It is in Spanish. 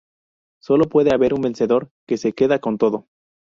Solo puede haber un vencedor, que se queda con todo.